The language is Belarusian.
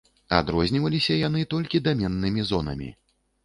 Адрозніваліся яны толькі даменнымі зонамі.